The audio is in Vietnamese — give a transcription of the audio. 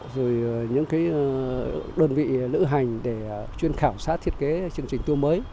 rồi những cái đơn vị nữ hành để chuyên khảo sát thiết kế chương trình tour mới